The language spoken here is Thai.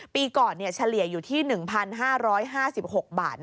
ปีก่อนเฉลี่ยอยู่ที่๑๕๕๖บาท